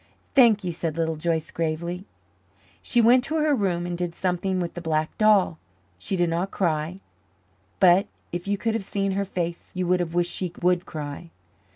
"Thank you," said Little Joyce gravely. She went to her room and did something with the black doll. She did not cry, but if you could have seen her face you would have wished she would cry.